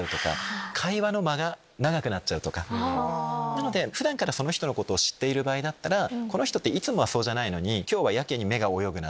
なので普段からその人のことを知っている場合だったらこの人いつもそうじゃないのに今日はやけに目が泳ぐなとか。